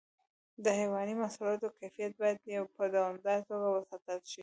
د حیواني محصولاتو کیفیت باید په دوامداره توګه وساتل شي.